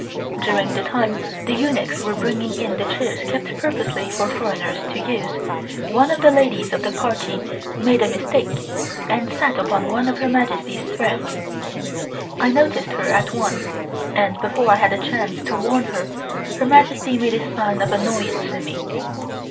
During the time the eunuchs were bringing in the chairs kept purposely for foreigners to use, one of the ladies of the party made a mistake and sat upon one of Her Majesty's thrones. I noticed her at once, and before I had a chance to warn her, Her Majesty made a sign of annoyance to me.